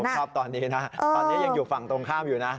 ชอบตอนนี้นะตอนนี้ยังอยู่ฝั่งตรงข้ามอยู่นะ